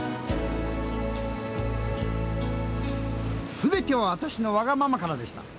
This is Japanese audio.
全ては私のわがままからでした。